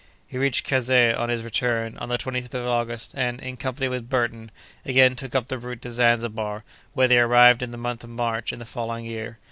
He reached Kazeh, on his return, on the 25th of August, and, in company with Burton, again took up the route to Zanzibar, where they arrived in the month of March in the following year.